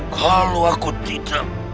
kalau aku tidak